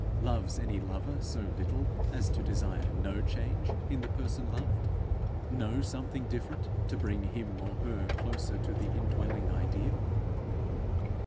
Loves any lover so little as to desire no change in the person loved no something different to bring him or her closer to the indwelling ideal?